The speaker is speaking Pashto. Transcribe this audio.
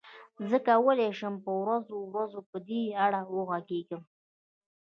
زه کولای شم په ورځو ورځو په دې اړه وغږېږم.